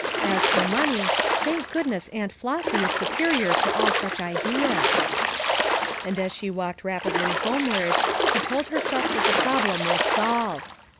As for money, thank goodness Aunt Flossy is superior to all such ideas," FOUR MOTHERS AT CHAUTAUQUA 153 And as she talked rapidly homeward, she told herself that the problem was solved.